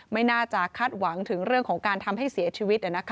ไม่น่าจะคาดหวังถึงเรื่องของการทำให้เสียชีวิต